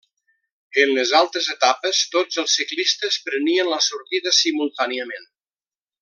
En les altres etapes tots els ciclistes prenien la sortida simultàniament.